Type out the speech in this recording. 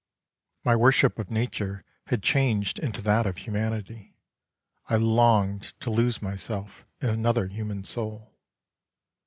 My worship of nature had changed into that of humanity, I longed to loose myself in another human soul.